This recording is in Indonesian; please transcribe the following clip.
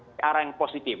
ke arah yang positif